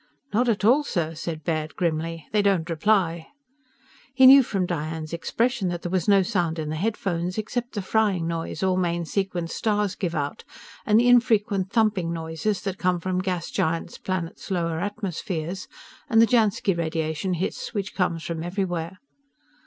_" "Not at all, sir," said Baird grimly. "They don't reply." He knew from Diane's expression that there was no sound in the headphones except the frying noise all main sequence stars give out, and the infrequent thumping noises that come from gas giant planets' lower atmospheres, and the Jansky radiation hiss which comes from everywhere.